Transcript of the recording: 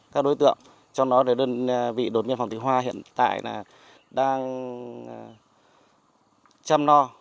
các đối tượng trong đó là đơn vị đối miên phòng thị hoa hiện tại đang chăm lo